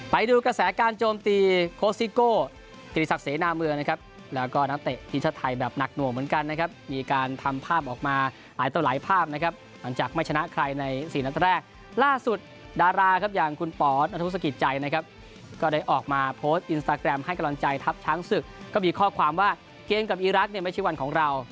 ไปดูกระแสการโจมตีโคซิโก